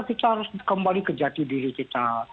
kita harus kembali ke jati diri kita